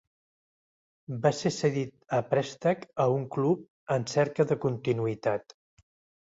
Va ser cedit a préstec a un club en cerca de continuïtat.